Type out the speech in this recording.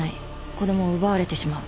子供を奪われてしまう。